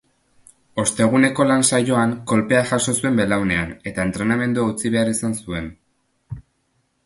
Osteguneko lan-saioan kolpea jaso zuen belaunean eta entrenamendua utzi behar izan zuen.